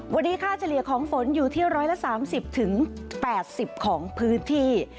วันนี้ค่าเฉลี่ยของฝนอยู่ที่๑๓๐๘๐ของพื้นที่